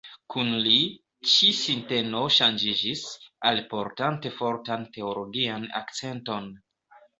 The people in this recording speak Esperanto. Kun li, ĉi- sinteno ŝanĝiĝis, alportante fortan teologian akcenton.